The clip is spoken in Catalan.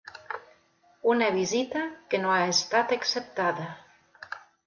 Una visita que no ha estat acceptada.